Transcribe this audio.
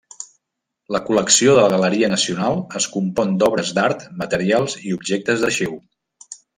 La col·lecció de la Galeria Nacional es compon d'obres d'art, materials i objectes d'arxiu.